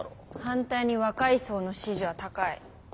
反対に若い層の支持は高い。